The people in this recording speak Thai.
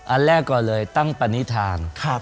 อันแรกก่อนเลยตั้งปณิธาน